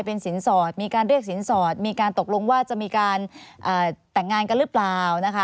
เป็นสินสอดมีการเรียกสินสอดมีการตกลงว่าจะมีการแต่งงานกันหรือเปล่านะคะ